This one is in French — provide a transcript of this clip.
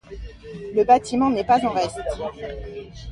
Le bâtiment n'est pas en reste.